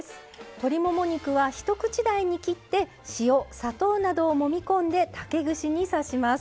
鶏もも肉は一口大に切って塩砂糖などをもみ込んで竹串に刺します。